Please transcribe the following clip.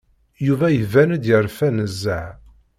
Yuba iban-d yerfa nezzeh.